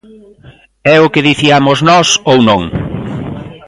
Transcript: ¿É o que diciamos nós ou non?